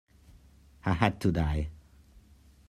I had to die.